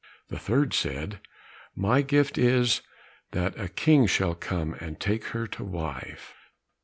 The third said, "My gift is, that a king shall come and take her to wife."